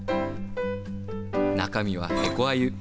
中身はヘコアユ。